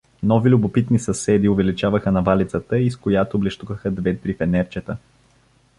Нови любопитни съседи увеличаваха навалицата, из която блещукаха две-три фенерчета.